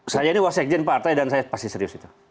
saya ini wasekjen partai dan saya pasti serius itu